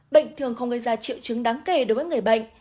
bệnh thường không gây ra triệu chứng đáng kể đối với người bệnh